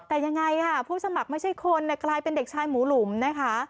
แต่ยังไงค่ะผู้สมัครไม่ใช่คนกลายเป็นเด็กชายหมูหลุมนะคะ